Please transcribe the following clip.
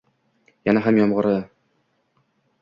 yana ham yomonrog‘i